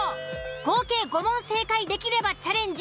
合計５問正解できればチャレンジ